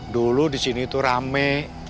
dulu di sini itu rame